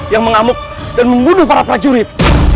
yang mengamuk dan membunuh para prajurit